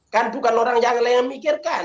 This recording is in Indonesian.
kan bukan orang yang mikirkan